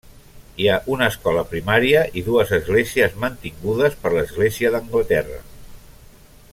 Hi ha una escola primària i dues esglésies mantingudes per l'església d'Anglaterra.